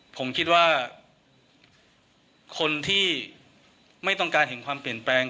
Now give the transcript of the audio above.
ผมคิดว่าคนที่ไม่ต้องการเห็นความเปลี่ยนแปลง